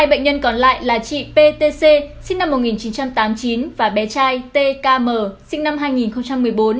hai bệnh nhân còn lại là chị ptc sinh năm một nghìn chín trăm tám mươi chín và bé trai tkm sinh năm hai nghìn một mươi bốn